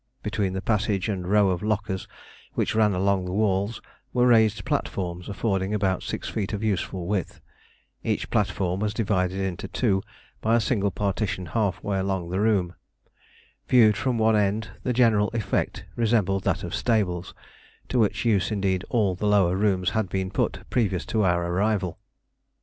Between the passage and a row of lockers which ran along the walls were raised platforms, affording about six feet of useful width. Each platform was divided in two by a single partition half way along the room. Viewed from one end the general effect resembled that of stables, to which use indeed all the lower rooms had been put previous to our arrival.